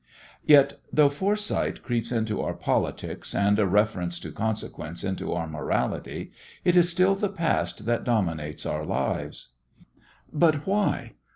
Yet though foresight creeps into our politics and a reference to consequence into our morality, it is still the past that dominates our lives. But why?